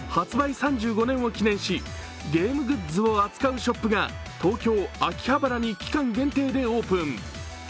３５年を記念しゲームグッズを扱うショップが東京・秋葉原に期間限定でオープン。